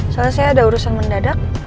soalnya saya ada urusan mendadak